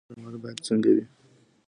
څارنوال باید څنګه وي؟